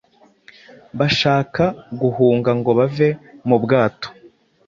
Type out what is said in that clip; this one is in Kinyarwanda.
bashaka guhunga ngo bave mu bwato,”